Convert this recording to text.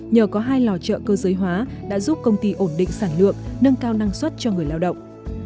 nhờ có hai lò chợ cơ giới hóa đã giúp công ty ổn định sản lượng nâng cao năng suất cho người lao động